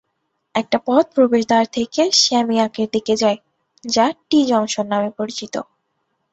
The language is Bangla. একটা পথ প্রবেশদ্বার থেকে স্যাম ইয়াকের দিকে যায়, যা টি-জংশন নামে পরিচিত।